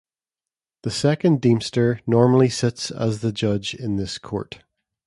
The Second Deemster normally sits as the judge in this court.